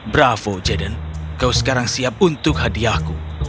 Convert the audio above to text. bravo jaden kau sekarang siap untuk hadiahku